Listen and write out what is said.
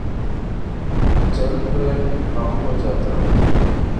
جلد برہم ہو جاتا ہوں